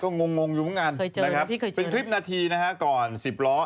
ก็งงอยู่ไว้ปรงงานนะครับเป็นคลิปนาทีนะฮะก่อนสิบล้อ